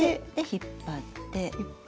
引っ張って。